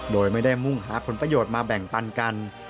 โดยไม่ได้มุ่งหาผลประโยชน์มาแบ่งปันกัน